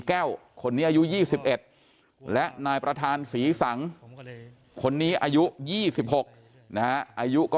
แก้วคนนี้อายุ๒๑และนายประธานศรีสังคนนี้อายุ๒๖นะฮะอายุก็